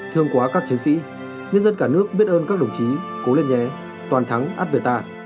thương quá các chiến sĩ nhân dân cả nước biết ơn các đồng chí cố lên nhé toàn thắng át về ta